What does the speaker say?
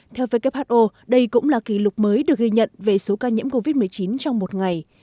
theo who đây cũng là kỷ lục mới được ghi nhận về số ca nhiễm covid một mươi chín trong một ngày